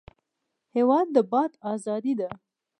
هېواد د باد ازادي ده.